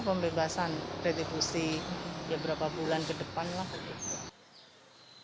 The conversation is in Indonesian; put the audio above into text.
pembebasan retribusi ya berapa bulan ke depan lah